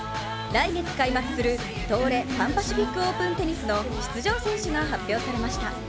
来月開幕する、東レ・パンパシフィックオープンテニスの出場選手が発表されました。